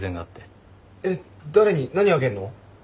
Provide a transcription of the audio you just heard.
えっ誰に何あげんの？